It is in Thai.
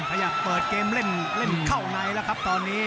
ขยับเปิดเกมเล่นเข้าในแล้วครับตอนนี้